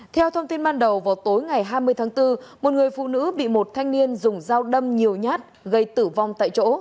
theo thông tin ban đầu vào tối ngày hai mươi tháng bốn một người phụ nữ bị một thanh niên dùng dao đâm nhiều nhát gây tử vong tại chỗ